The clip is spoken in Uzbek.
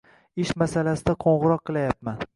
Ish masalasida qo'ng’iroq qilayapman.